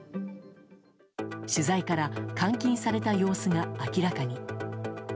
取材から監禁された様子が明らかに。